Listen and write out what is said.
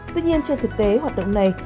tuy nhiên trên thực tế hoạt động này